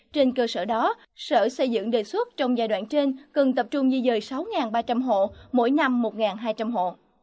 trên cơ sở đó sở xây dựng đề xuất trong giai đoạn trên cần tập trung di dời sáu ba trăm linh hộ mỗi năm một hai trăm linh hộ